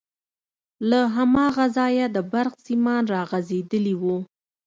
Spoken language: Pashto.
له هماغه ځايه د برق سيمان راغځېدلي وو.